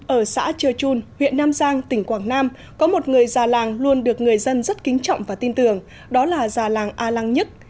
ở xã chơn huyện nam giang tỉnh quảng nam có một người già làng luôn được người dân rất kính trọng và tin tưởng đó là già làng a lăng nhất